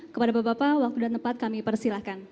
kepada bapak bapak waktu dan tempat kami persilahkan